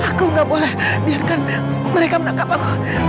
aku gak boleh biarkan mereka menangkap aku